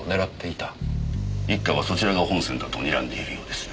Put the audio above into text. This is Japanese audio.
一課はそちらが本線だとにらんでいるようです。